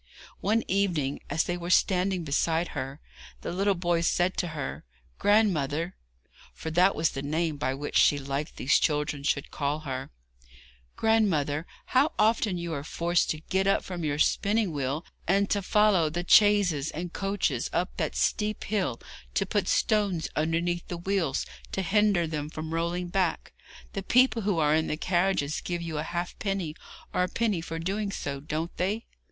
One evening, as they were standing beside her, the little boy said to her: 'Grandmother' for that was the name by which she liked that these children should call her 'grandmother, how often you are forced to get up from your spinning wheel, and to follow the chaises and coaches up that steep hill, to put stones underneath the wheels to hinder them from rolling back! The people who are in the carriages give you a halfpenny or a penny for doing so, don't they?'